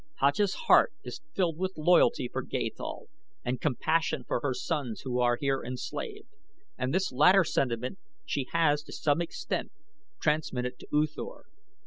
Haja's heart is filled with loyalty for Gathol and compassion for her sons who are here enslaved, and this latter sentiment she has to some extent transmitted to U Thor.